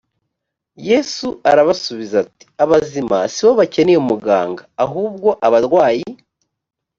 yesu arabasubiza ati “abazima si bo bakeneye umuganga ahubwo abarwayi ”